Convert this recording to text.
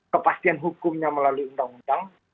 kepastian hukumnya melalui undang undang